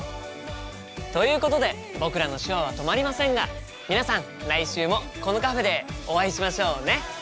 ということで僕らの手話は止まりませんが皆さん来週もこのカフェでお会いしましょうね。